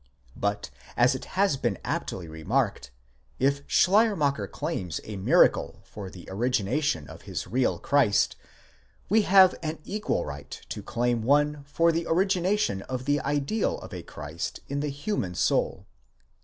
But, as it has been aptly remarked, if Schleiermacher claims a miracle for the origination of his real Christ, we have an equal right to claim one for the origination of the ideal of a Christ in the human soul.?